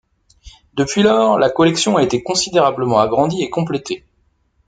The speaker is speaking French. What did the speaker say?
Depuis lors, la collection a été considérablement agrandie et complétée.